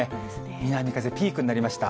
南風ピークになりました。